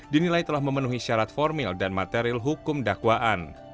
dinilai telah memenuhi syarat formil dan material hukum dakwaan